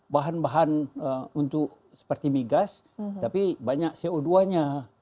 bahan bahan untuk seperti migas tapi banyak co dua nya